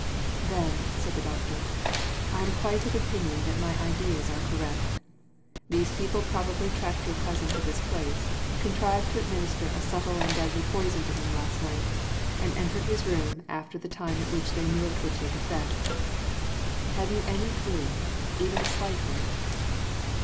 "Then," said the doctor, "I am quite of opinion that my ideas are correct. These, people probably tracked your cousin to this place, contrived to administer a subtle and deadly poison to him last night, and entered his room after the time at which they knew it would take effect. Have you any clue even a slight one?"